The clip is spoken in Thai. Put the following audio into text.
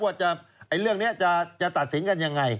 ว่าเรื่องนี้จะตัดสินกันอย่างไร